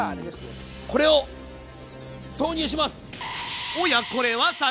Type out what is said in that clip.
これを投入します！